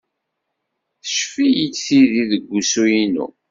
Teccef-iyi tidi deg wusu-inu.